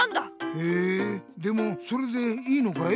へえでもそれでいいのかい？